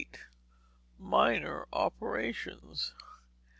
838. Minor Operations.